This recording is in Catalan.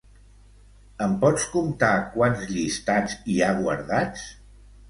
Em pots comptar quants llistats hi ha guardats?